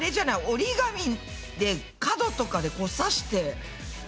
折り紙で角とかでさして穴を。